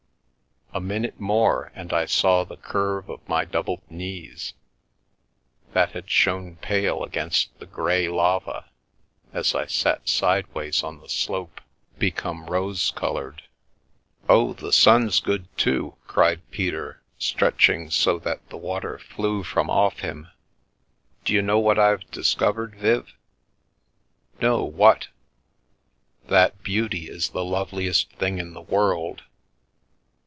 A minute more, and I saw the curve of my doubled knees, that had shown pale against the grey lava as I sat sideways on the slope, become rose toloured. " Oh, the sun's good, too !" cried Peter, stretching, so that the water flew from off him. " D'you know what I've discovered, Viv? No; what? That beauty is the loveliest thing in the world